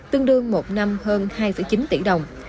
tương đương một năm hơn hai chín tỷ đồng